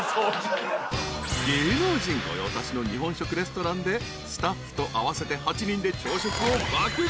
［芸能人御用達の日本食レストランでスタッフと合わせて８人で朝食を爆食い］